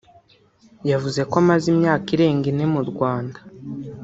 yavuze ko amaze imyaka irenga ine mu Rwanda